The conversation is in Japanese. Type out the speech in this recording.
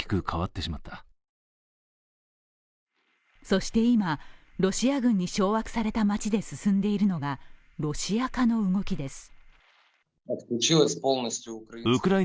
そして今、ロシア軍に掌握された街で進んでいるのがロシア化の動きです。